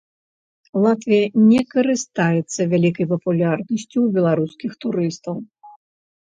Латвія не карыстаюцца вялікай папулярнасцю ў беларускіх турыстаў.